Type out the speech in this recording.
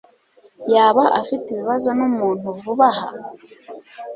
yaba afite ibibazo numuntu vuba aha?